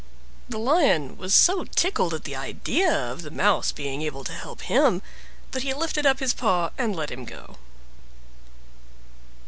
The Lion was so tickled at the idea of the Mouse being able to help him, that he lifted up his paw and let him go.